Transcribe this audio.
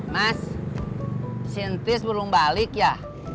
mas sintis belum balik ya